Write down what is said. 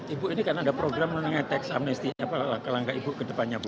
ibu ini kan ada program menulis teks amnesti apalagi ke langkah ibu ke depannya ibu